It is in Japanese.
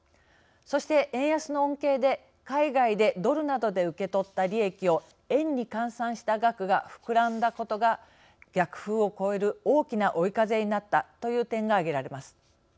そして円安の恩恵で海外でドルなどで受け取った利益を円に換算した額が膨らんだことが逆風を超える大きな追い風になったという点が挙げられます。